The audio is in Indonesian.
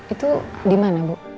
itu dimana bu